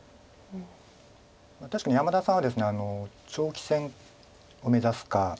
確かに山田さんはですね長期戦を目指すか。